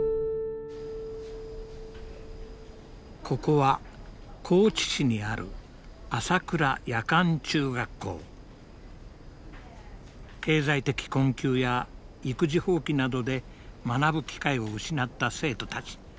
ここは高知市にある経済的困窮や育児放棄などで学ぶ機会を失った生徒たち